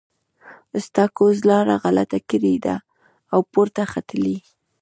ستا ګوز لاره غلطه کړې ده او پورته ختلی.